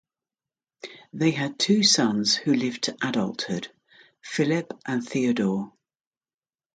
They had two sons who lived to adulthood, Philip and Theodore.